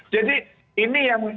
jadi ini yang